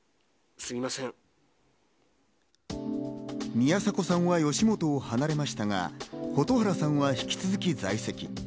宮迫さんは吉本を離れましたが蛍原さんは引き続き在籍。